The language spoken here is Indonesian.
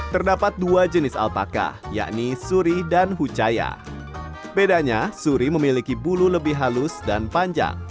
terdapat dua jenis alpaka yakni suri dan hujaya bedanya suri memiliki bulu lebih halus dan panjang